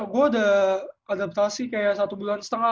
gue udah adaptasi kayak satu bulan setengah